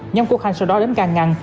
nhóm quốc khanh sau đó đến càng ngăn